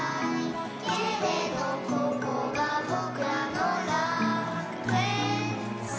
「ここがぼくらの楽園さ」